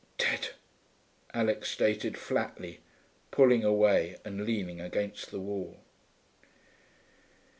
'Dead,' Alix stated flatly, pulling away and leaning against the wall.